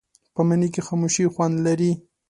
په مني کې خاموشي خوند لري